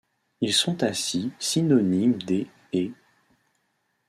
Ils sont ainsi synonymes des ' et '.